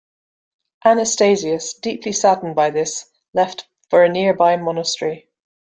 Anastasius, deeply saddened by this, left for a nearby monastery.